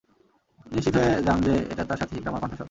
নিশ্চিত হয়ে যান যে, এটা তার সাথি ইকরামার কণ্ঠস্বর।